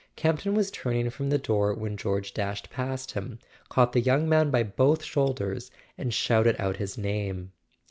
Campton was turning from the door when George dashed past him, caught the young man by both shoul¬ ders, and shouted out his name.